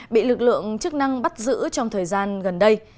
bị lực lượng chức năng bắt giữ trong thời gian gần đây